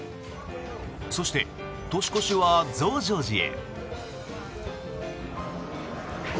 そして、年越しは増上寺へ。